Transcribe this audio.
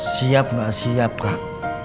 siap gak siap rak